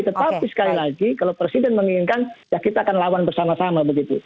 tetapi sekali lagi kalau presiden menginginkan ya kita akan lawan bersama sama begitu